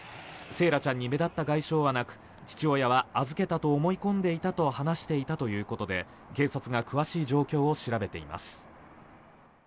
惺愛ちゃんに目立った外傷はなく父親は預けたと思い込んでいたと話していたということで警察が詳しい状況を調べています。